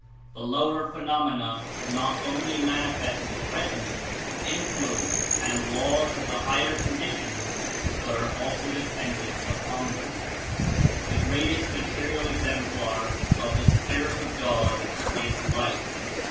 The lower phenomena not only manifest the presence, influence and laws of the higher conditions but are also dependent upon them. The greatest material exemplar of the Spirit of God is light.